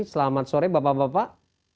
selamat sore bapak bapak